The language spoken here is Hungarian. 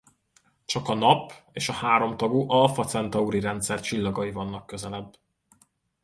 Csak a Nap és a háromtagú Alfa Centauri rendszer csillagai vannak közelebb.